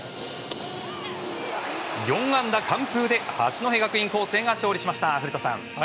４安打完封で八戸学院光星が勝利しました、古田さん。